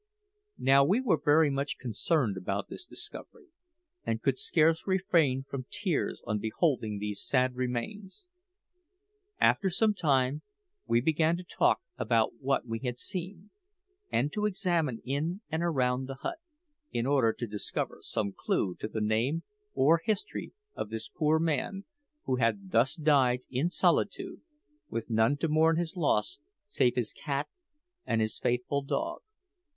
Now we were very much concerned about this discovery, and could scarce refrain from tears on beholding these sad remains. After some time we began to talk about what we had seen, and to examine in and around the hut, in order to discover some clue to the name or history of this poor man, who had thus died in solitude, with none to mourn his loss save his cat and his faithful dog.